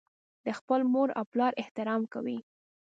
د خپل مور او پلار احترام کوي.